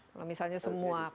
kalau misalnya semua